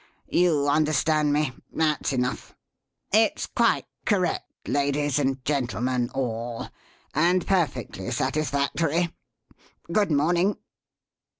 You understand me; that's enough. It's quite correct, ladies and gentlemen all, and perfectly satisfactory. Good morning!"